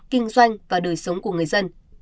kinh doanh và đời sống của người dân